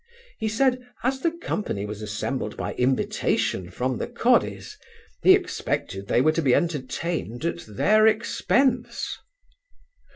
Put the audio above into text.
He said, as the company was assembled by invitation from the cawdies, he expected they were to be entertained at their expense.